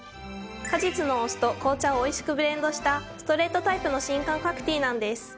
果実のお酢と紅茶をおいしくブレンドしたストレートタイプの新感覚ティーなんです。